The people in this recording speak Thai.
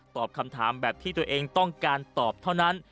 ตอบคำถามแบบที่ตัวเองต้องการตอบเท่านั้น